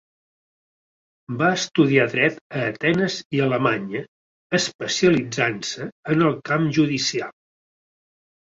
Va estudiar Dret a Atenes i Alemanya, especialitzant-se en el camp judicial.